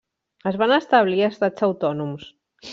Es van establir estats autònoms.